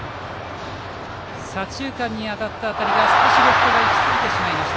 左中間にいった当たりが少しレフトが行き過ぎました。